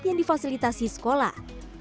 yang difasilitasi sekolah